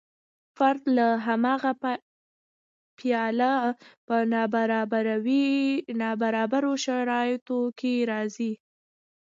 فرد له هماغه پیله په نابرابرو شرایطو کې راځي.